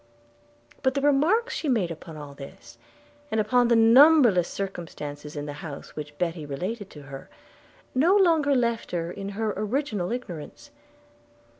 But the remarks she made upon all this, and upon numberless circumstances in the house which Betty related to her, no longer left her in her original ignorance.